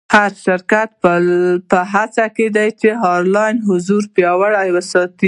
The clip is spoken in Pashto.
هر شرکت به هڅه کوي چې آنلاین حضور پیاوړی وساتي.